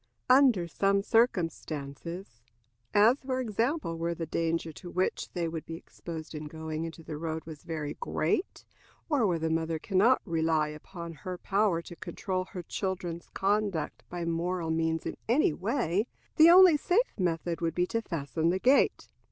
Under some circumstances, as, for example, where the danger to which they would be exposed in going into the road was very great, or where the mother can not rely upon her power to control her children's conduct by moral means in any way, the only safe method would be to fasten the gate.